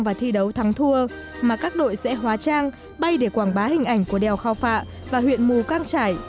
và thi đấu thắng thua mà các đội sẽ hóa trang bay để quảng bá hình ảnh của đèo khao phạ và huyện mù căng trải